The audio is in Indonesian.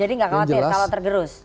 jadi gak khawatir kalau tergerus